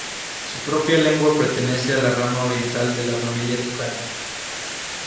Su propia lengua pertenece a la rama oriental de la Familia Tucano.